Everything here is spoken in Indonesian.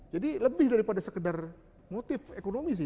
jadi lebih daripada sekedar motif ekonomi sih